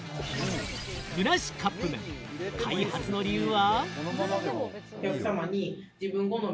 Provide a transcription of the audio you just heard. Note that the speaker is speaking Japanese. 具なしカップ麺、開発の理由は？